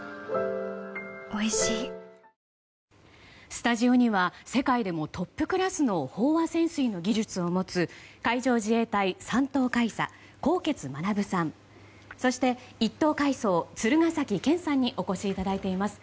スタジオには世界でもトップクラスの飽和潜水の技術を持つ海上自衛隊３等海佐纐纈学さんそして１等海曹鶴ケ崎健さんにお越しいただいています。